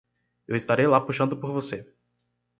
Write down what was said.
Eu estarei lá puxando por você.